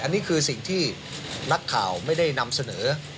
อันนี้คือสิ่งที่นักข่าวไม่ได้นำเสนอ